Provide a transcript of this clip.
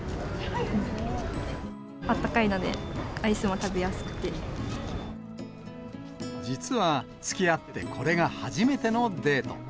あったかいので、アイスも食実は、つきあってこれが初めてのデート。